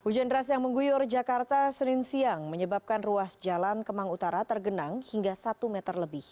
hujan deras yang mengguyur jakarta senin siang menyebabkan ruas jalan kemang utara tergenang hingga satu meter lebih